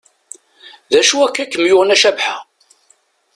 D acu akka i kem-yuɣen a Cabḥa?